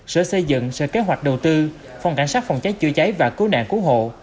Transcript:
sở xây dựng sở kế hoạch đầu tư phòng cảnh sát phòng cháy chữa cháy và cứu nạn cứu hộ